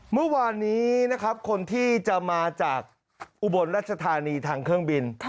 เมื่อวานนี้นะครับคนที่จะมาจากอุบลรัชธานีทางเครื่องบิน